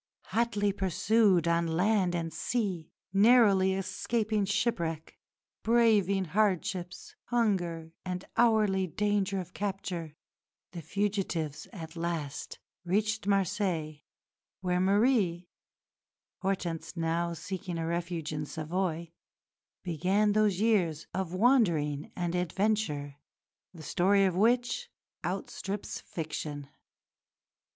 Hotly pursued on land and sea, narrowly escaping shipwreck, braving hardships, hunger, and hourly danger of capture, the fugitives at last reached Marseilles where Marie (Hortense now seeking a refuge in Savoy) began those years of wandering and adventure, the story of which outstrips fiction.